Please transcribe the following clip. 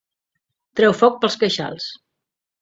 Treu foc pels queixals.